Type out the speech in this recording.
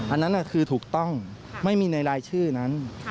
อันนั้นคือถูกต้องไม่มีในรายชื่อนั้น